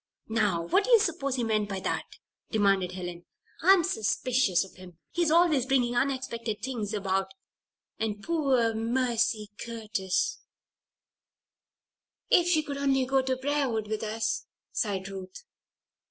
"Now, what do you suppose he meant by that?" demanded Helen. "I'm suspicious of him. He's always bringing unexpected things about. And poor Mercy Curtis " "If she could only go to Briarwood with us," sighed Ruth.